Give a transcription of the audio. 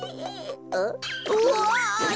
うわ！